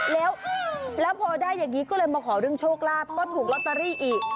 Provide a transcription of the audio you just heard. แล้วพอได้อย่างนี้ก็เลยมาขอเรื่องโชคลาภก็ถูกลอตเตอรี่อีก